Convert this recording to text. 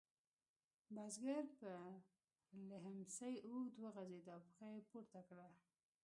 بزګر پر لیهمڅي اوږد وغځېد او پښه یې پورته کړه.